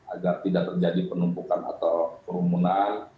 agar tidak terjadi penumpukan atau kerumunan